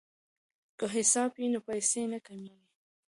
که حساب وي نو پیسې نه کمیږي.